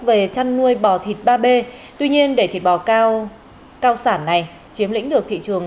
về chăn nuôi bò thịt ba b tuy nhiên để thịt bò cao sản này chiếm lĩnh được thị trường